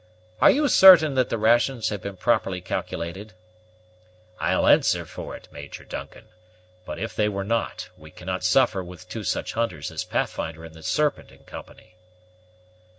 Are you certain that the rations have been properly calculated?" "I'll answer for it, Major Duncan; but if they were not, we cannot suffer with two such hunters as Pathfinder and the Serpent in company."